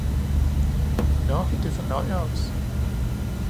Nå det fornøjer os!